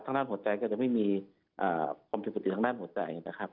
ด้านหัวใจก็จะไม่มีความผิดปกติทางด้านหัวใจนะครับ